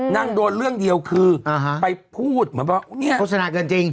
นั่งโดนเรื่องเดียวคือไปพูดเหมือนว่าเนี่ยโฆษณาเกินจริง